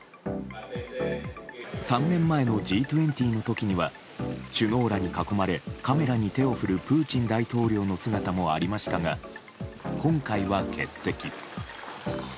３年前のＧ２０の時には首脳らに囲まれカメラに手を振るプーチン大統領の姿もありましたが今回は欠席。